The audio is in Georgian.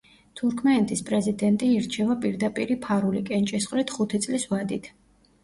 თურქმენეთის პრეზიდენტი ირჩევა პირდაპირი ფარული კენჭისყრით ხუთი წლის ვადით.